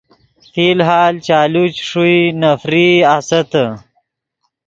فی الحال چالو چے ݰوئی نفرئی آستّے۔